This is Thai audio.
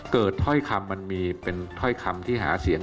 ถ้อยคำมันมีเป็นถ้อยคำที่หาเสียง